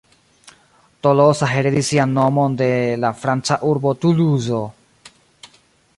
Tolosa heredis sian nomon de la franca urbo Tuluzo.